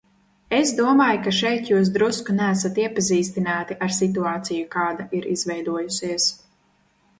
Es domāju, ka šeit jūs drusku neesat iepazīstināti ar situāciju, kāda ir izveidojusies.